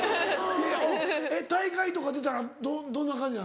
大会とか出たらどんな感じなの？